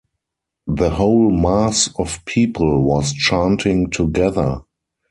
The whole mass of people was chanting together.